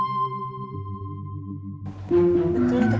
sehingga kembali tercipta dengan alamat dalai